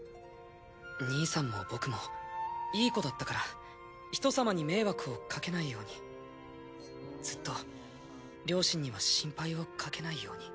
兄さんも僕もいい子だったから人様に迷惑をかけないようにずっと両親には心配をかけないように。